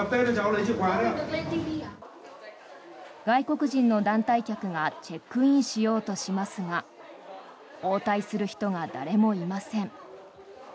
外国人の団体客がチェックインしようとしますが応対する人が誰もいません。